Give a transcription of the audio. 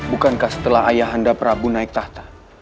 bukankah setelah ayah anda prabu naik tahta